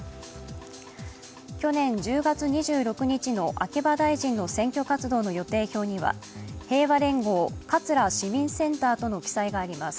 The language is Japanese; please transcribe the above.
去年１０月２６日の秋葉大臣の選挙活動の予定表には「平和連合」、「桂市民センター」との記載があります。